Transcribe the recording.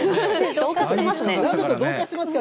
鍋と同化してますね。